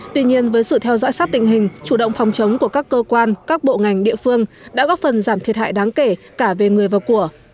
tuy nhiên với sự theo dõi sát tình hình chủ động phòng chống của các cơ quan các bộ ngành địa phương đã góp phần giảm thiệt hại đáng kể cả về người và của